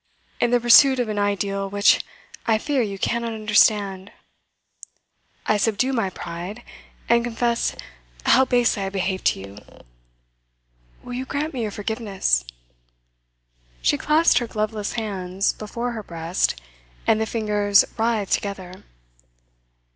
In the pursuit of an ideal which I fear you cannot understand, I subdue my pride, and confess how basely I behaved to you. Will you grant me your forgiveness?' She clasped her gloveless hands before her breast, and the fingers writhed together.